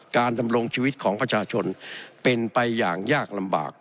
ดำรงชีวิตของประชาชนเป็นไปอย่างยากลำบาก